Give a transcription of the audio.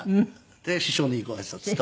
で師匠にご挨拶と。